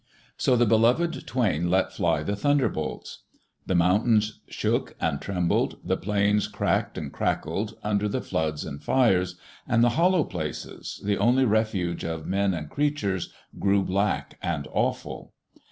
So the Beloved Twain let fly the thunderbolts. The mountains shook and trembled, the plains cracked and crackled under the floods and fires, and the hollow places, the only refuge of men and creatures, grew black and awful.